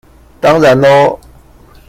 當然囉